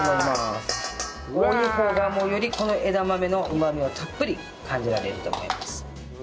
多い方がもうよりこの枝豆のうまみをたっぷり感じられると思います。